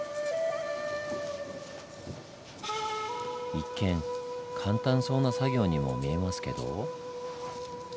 一見簡単そうな作業にも見えますけど。